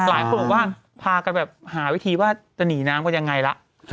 หลายคนหลงบ้านผ่ากันแบบหาวิธีว่ามันจะหนีน้ำก็อย่างไรล่ะ